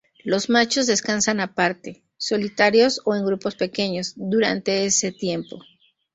Los machos descansan aparte, solitarios o en grupos pequeños, durante ese tiempo.